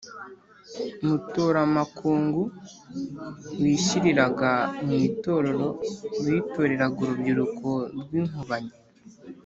Mutoramakungu: wishyiriraga mu itorero, witoreraga urubyiruko rw’inkubanyi